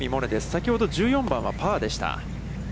先ほど１４番はパーでした。